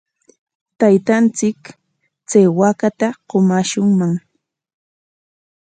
Taytanchik chay waakata qumaashunman.